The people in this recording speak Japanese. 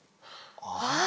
ああ。